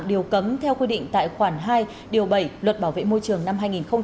điều cấm theo quy định tại khoản hai điều bảy luật bảo vệ môi trường năm hai nghìn một mươi bốn